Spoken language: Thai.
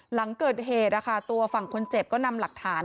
หลังเกิดเหตุตัวฝั่งคนเจ็บก็นำหลักฐาน